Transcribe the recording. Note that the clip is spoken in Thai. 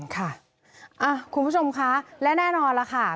คุณผู้ชมคะและแน่นอนล่ะค่ะ